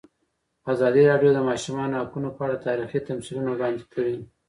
ازادي راډیو د د ماشومانو حقونه په اړه تاریخي تمثیلونه وړاندې کړي.